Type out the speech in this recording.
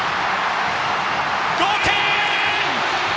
同点！